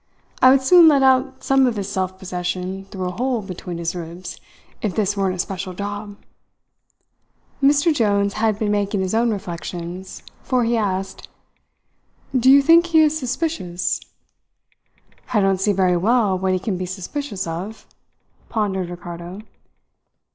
"I would soon let out some of his self possession through a hole between his ribs, if this weren't a special job!" Mr Jones had been making his own reflections, for he asked: "Do you think he is suspicious?" "I don't see very well what he can be suspicious of," pondered Ricardo.